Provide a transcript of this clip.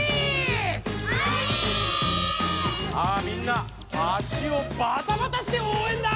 さあみんな足をバタバタしておうえんだ！